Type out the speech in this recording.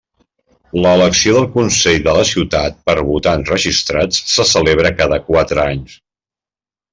L'elecció del consell de la ciutat per votants registrats se celebra cada quatre anys.